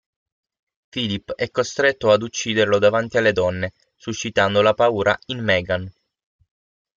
Philip è costretto ad ucciderlo davanti alle donne, suscitando la paura in Meghan.